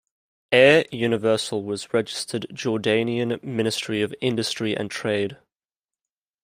Air Universal was registered Jordanian Ministry of Industry and Trade.